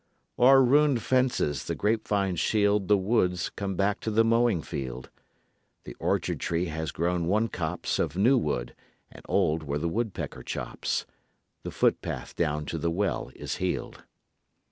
O'er ruined fences the grape vines shield The woods come back to the mowing field; The orchard tree has grown one copse Of new wood and old where the woodpecker chops; The footpath down to the well is healed.